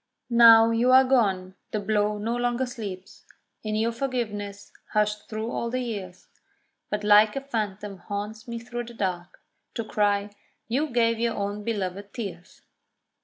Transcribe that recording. Now you are gone the blow no longer sleeps In your forgiveness hushed through all the years; But like a phantom haunts me through the dark, To cry "You gave your own belovèd tears."